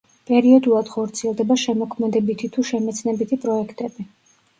პერიოდულად ხორციელდება შემოქმედებითი თუ შემეცნებითი პროექტები.